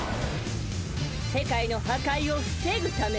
世界の破壊を防ぐため。